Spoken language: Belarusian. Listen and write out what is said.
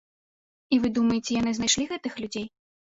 І вы думаеце яны знайшлі гэтых людзей?